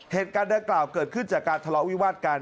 เหตุการณ์ดังกล่าวเกิดขึ้นจากการทะเลาะวิวาดกัน